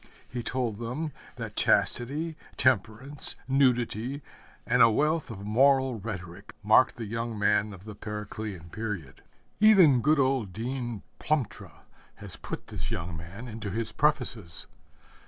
He told them that chastity, temperance, nudity, and a wealth of moral rhetoric marked the young man of the Periclean period. Even good old Dean Plumptre has put this young man into his prefaces.